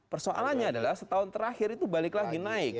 persoalannya adalah setahun terakhir itu balik lagi naik